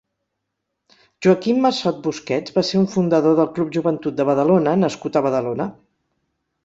Joaquim Massot Busquets va ser un fundador del Club Joventut de Badalona nascut a Badalona.